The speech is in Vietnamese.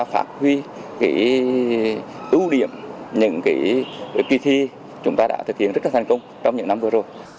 và phát huy ưu điểm những kỳ thi chúng ta đã thực hiện rất thành công trong những năm vừa rồi